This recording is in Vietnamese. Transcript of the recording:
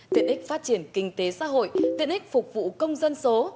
tiện ích phát triển kinh tế xã hội tiện ích phục vụ công dân số